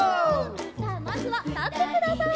さあまずはたってください！